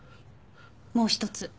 もう一つ